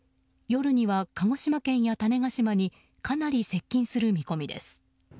夜には鹿児島県や種子島にかなり接近する見込みです。